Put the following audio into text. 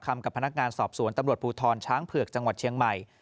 กับพนักงานสอบสวนตำรวจภูทรช้างเผือกจังหวัดเชียงใหม่